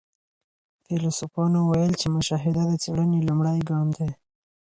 فيلسوفانو ويل چي مشاهده د څېړنې لومړی ګام دی.